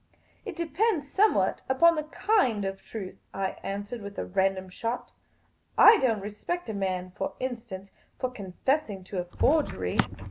" It depends somewhat upon the kind of truth," I an swered, with a random shot. " I don't respect a man, for instance, for confessing to a forgery."